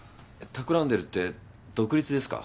企んでるって独立ですか？